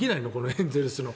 エンゼルスの。